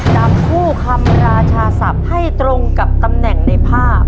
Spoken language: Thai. จับคู่คำราชาศัพท์ให้ตรงกับตำแหน่งในภาพ